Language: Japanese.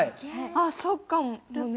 あっそっかもね。